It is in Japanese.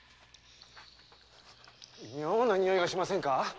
妙な臭いがしませんか？